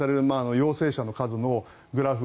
陽性者の数のグラフ